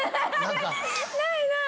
ないない！